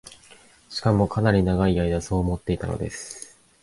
しかも、かなり永い間そう思っていたのです